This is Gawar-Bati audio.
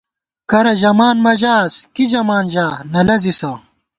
کرہ ژَمان مہ ژاس ، کی ژَمان ژا ، نہ لَزِسہ